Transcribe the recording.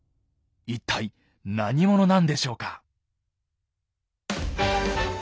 一体何者なんでしょうか？